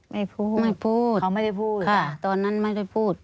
ไม่พูดเขาไม่ได้พูดตอนนั้นไม่ได้พูด